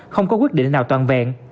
không có quyết định nào toàn vẹn